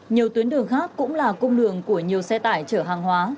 nhiều tuyến đường khác cũng là cung đường của nhiều xe tải chở hàng hóa